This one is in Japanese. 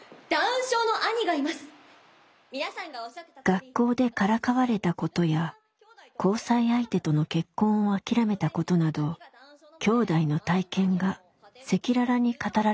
学校でからかわれたことや交際相手との結婚を諦めたことなどきょうだいの体験が赤裸々に語られました。